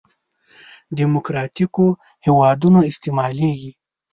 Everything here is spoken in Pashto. دیموکراتیکو هېوادونو استعمالېږي.